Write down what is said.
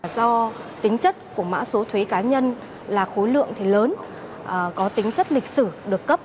do tính chất của mã số thuế cá nhân là khối lượng lớn có tính chất lịch sử được cấp